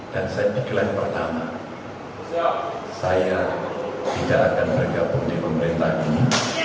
dan saya pikirkan pertama saya tidak akan bergabung di pemerintahan ini